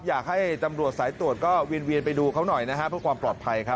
อยากให้ตำรวจสายตรวจก็เวียนไปดูเขาหน่อยนะฮะเพื่อความปลอดภัยครับ